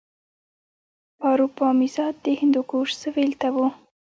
پاروپامیزاد د هندوکش سویل ته و